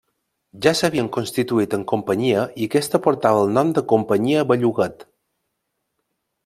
Ja s’havien constituït en companyia i aquesta portava el nom de Companyia Belluguet.